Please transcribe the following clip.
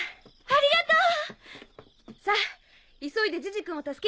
ありがとう！